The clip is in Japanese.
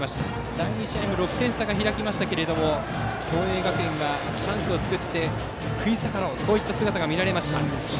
第２試合も６点差に開きましたが共栄学園がチャンスを作って食い下がろうというそういった姿が見られました。